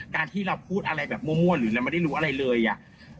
การที่เราพูดอะไรแบบมั่วหรือเราไม่ได้รู้อะไรเลยอ่ะ